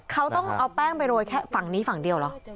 เขาต้องเอาแป้งไปโรยแค่ฝั่งนี้ฝั่งเดียวเหรอ